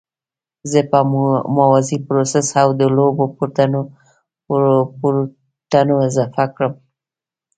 زه به موازي پروسس او د لوبو پورټونه اضافه کړم